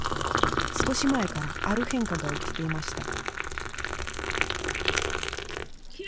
少し前からある変化が起きていました。